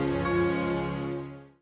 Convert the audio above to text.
sampai jumpa lagi